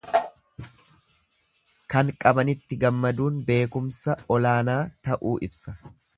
Kan qabanitti gammaduun beekumsa olaanaa ta'uu ibsa.